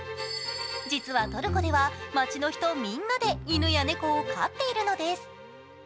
実は、トルコでは街の人みんなで犬や猫を飼っているのです。